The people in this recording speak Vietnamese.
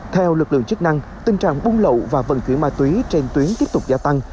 theo lực lượng chức năng tình trạng buôn lậu và vận chuyển ma túy trên tuyến tiếp tục gia tăng